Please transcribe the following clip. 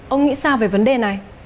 ông nghĩ sao về vấn đề này